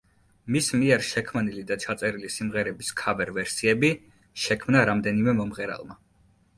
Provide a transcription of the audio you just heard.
მის მიერ შექმნილი და ჩაწერილი სიმღერების ქავერ ვერსიები შექმნა რამდენიმე მომღერალმა.